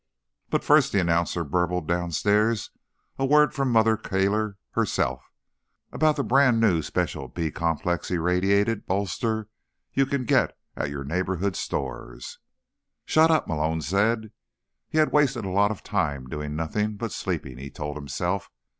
"But first," the announcer burbled downstairs, "a word from Mother Kohler herself, about the brand new special B Complex Irradiated Bolster you can get at your neighborhood stores...." "Shut up," Malone said. He had wasted a lot of time doing nothing but sleeping, he told himself.